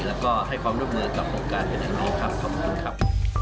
แล้วก็ให้ความร่วมมือกับโครงการเป็นอย่างดีขอบคุณครับ